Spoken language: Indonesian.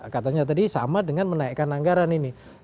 katanya tadi sama dengan menaikkan anggaran ini